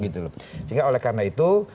sehingga oleh karena itu